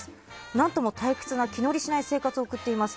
何とも退屈な気のりしない生活を送っています。